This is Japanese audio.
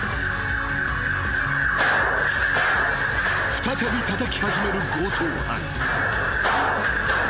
［再びたたき始める強盗犯］